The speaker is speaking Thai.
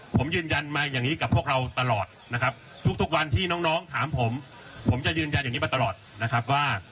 ผมยืนยันมาอย่างนี้กับพวกเราตลอดนะครับทุกวันที่น้องถามผมผมจะยืนยันอย่างนี้มาตลอดนะครับว่า